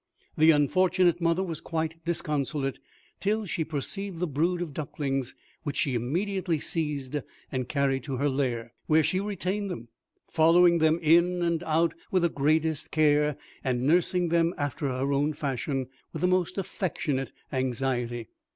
The unfortunate mother was quite disconsolate till she perceived the brood of ducklings, which she immediately seized and carried to her lair, where she retained them, following them out and in with the greatest care, and nursing them, after her own fashion, with the most affectionate anxiety.